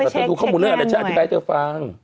ต้องไปเช็คแน่นหน่อย